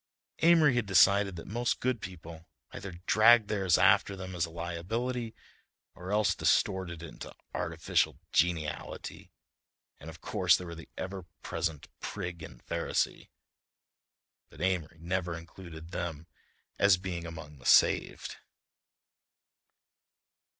Amory had decided that most good people either dragged theirs after them as a liability, or else distorted it to artificial geniality, and of course there were the ever present prig and Pharisee—(but Amory never included them as being among the saved).